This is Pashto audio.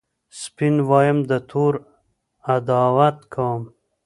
سپین وایم د تورو عداوت کوم